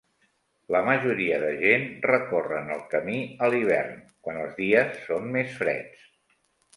La majoria de gent recorren el camí a l'hivern, quan els dies són més freds.